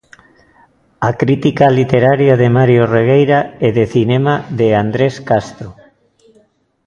A crítica literaria de Mario Regueira e de cinema de Andrés Castro.